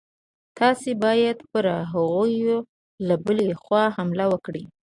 تاسي باید پر هغوی له بلې خوا حمله وکړئ.